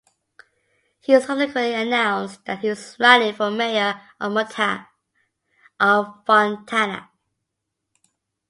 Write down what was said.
He subsequently announced that he was running for Mayor of Fontana.